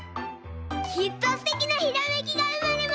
きっとすてきなひらめきがうまれます！